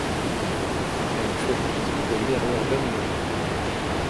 Elle fait partie de l'aire urbaine de Lyon.